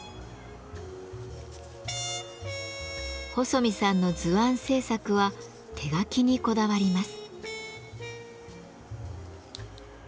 細見さんの図案制作は手描きにこだわります。